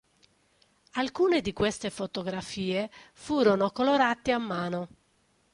Alcune di queste fotografie furono colorate a mano.